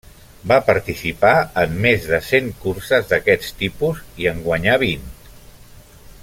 Va participar en més de cent curses d'aquests tipus i en guanyar vint.